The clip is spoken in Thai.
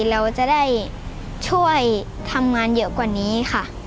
เราจะได้ช่วยทำงานเยอะกว่านี้ค่ะ